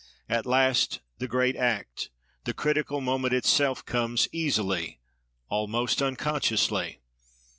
At last, the great act, the critical moment itself comes, easily, almost unconsciously.